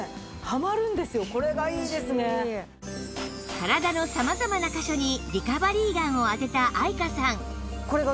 体の様々な箇所にリカバリーガンを当てた愛華さん